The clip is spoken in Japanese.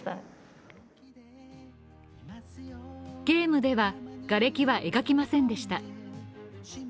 ゲームではがれきは描きませんでした。